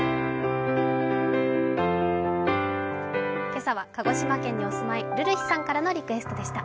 今朝は鹿児島県にお住まいのるるひさんのリクエストでした。